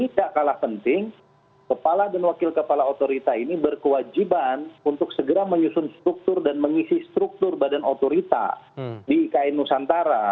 tidak kalah penting kepala dan wakil kepala otorita ini berkewajiban untuk segera menyusun struktur dan mengisi struktur badan otorita di ikn nusantara